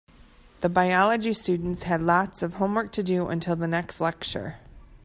The biology students had lots of homework to do until the next lecture.